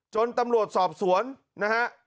ตำรวจสอบสวนนะฮะ